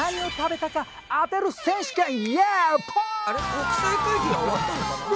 国際会議は終わったのかな？